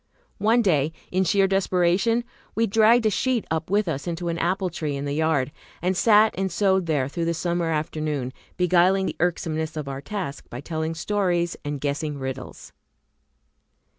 One day, in sheer desperation, we dragged a sheet up with us into an apple tree in the yard, and sat and sewed there through the summer afternoon, beguiling the irksomeness of our task by telling stories and guessing riddles.